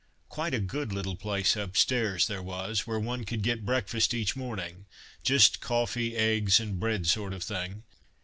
Quite a good little place upstairs there was, where one could get breakfast each morning: just coffee, eggs, and bread sort of thing.